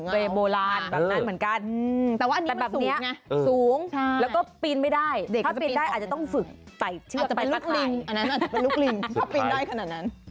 เปรย์โบราณแบบนั้นเหมือนกัน